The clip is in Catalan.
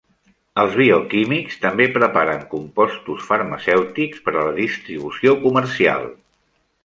Els bioquímics també preparen compostos farmacèutics per a la distribució comercial.